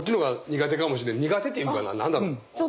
苦手っていうかな何だろう。